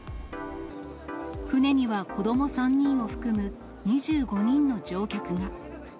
船には子ども３人を含む２５人の乗客が。